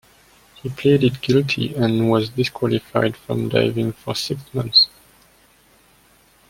He pleaded guilty and was disqualified from driving for six months.